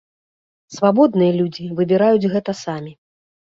Свабодныя людзі выбіраюць гэта самі.